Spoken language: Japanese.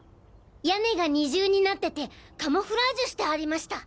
屋根が二重になっててカモフラージュしてありました。